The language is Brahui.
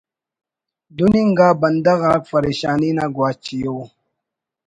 دن انگا بندغ آک فریشانی نا گواچی ءُ